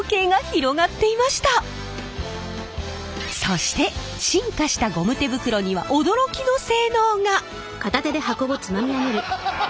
そして進化したゴム手袋には驚きの性能が！